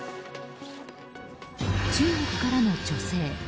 中国からの女性。